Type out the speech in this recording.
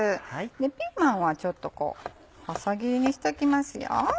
ピーマンはちょっと細切りにしときますよ。